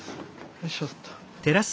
よいしょっと。